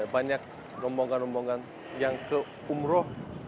banyak rombongan rombongan yang ke umroh